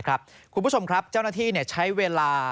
คุณผู้ชมครับเจ้าหน้าที่ใช้เวลา